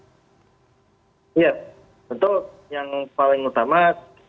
untuk yang paling utama